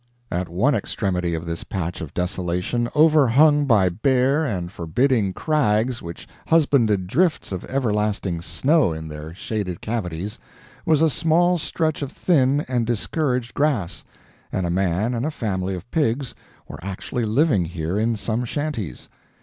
At one extremity of this patch of desolation, overhung by bare and forbidding crags which husbanded drifts of everlasting snow in their shaded cavities, was a small stretch of thin and discouraged grass, and a man and a family of pigs were actually living here in some shanties.